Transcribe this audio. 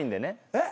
えっ？